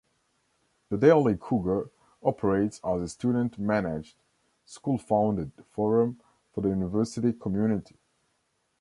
"The Daily Cougar" operates as a student-managed, school-funded forum for the university community.